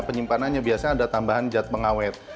penyimpanannya biasanya ada tambahan jad pengawet